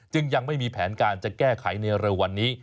ยังไม่มีแผนการจะแก้ไขในเร็ววันนี้